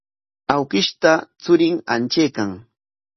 Awkishta churin hantraykan.